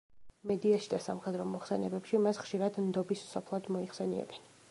მედიაში და სამხედრო მოხსენებებში მას ხშირად „ნდობის სოფლად“ მოიხსენებენ.